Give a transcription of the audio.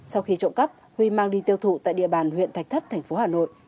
sau khi trộm cắp huy mang đi tiêu thụ tại địa bàn huyện thạch thất thành phố hà nội